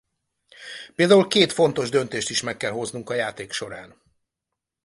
Például két fontos döntést is meg kell hoznunk a játék során.